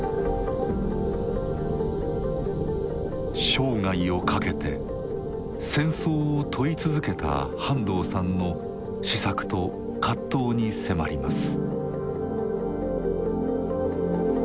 生涯をかけて戦争を問い続けた半藤さんの思索と葛藤に迫ります。